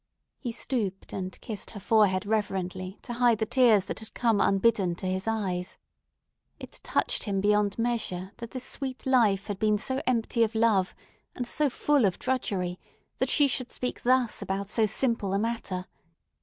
He stooped and kissed her forehead reverently to hide the tears that had come unbidden to his eyes. It touched him beyond measure that this sweet life had been so empty of love and so full of drudgery that she should speak thus about so simple a matter.